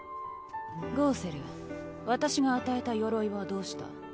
ゴウセル私が与えた鎧はどうした？